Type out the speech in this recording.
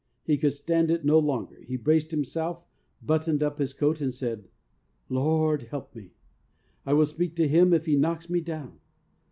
He could stand it no longer, he braced himself, buttoned up his coat, and said, ' Lord, help me ! I will speak to him if he knocks me down.